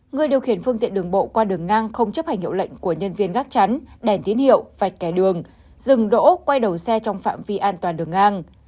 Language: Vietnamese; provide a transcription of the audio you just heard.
người điều khiển phương tiện đường bộ qua đường ngang không chấp hành hiệu lệnh của nhân viên gác chắn đèn tín hiệu vạch kẻ đường dừng đỗ quay đầu xe trong phạm vi an toàn đường ngang